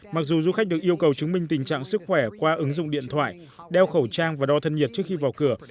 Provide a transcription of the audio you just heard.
mặc dù du khách được yêu cầu chứng minh tình trạng sức khỏe qua ứng dụng điện thoại đeo khẩu trang và đo thân nhiệt trước khi vào cửa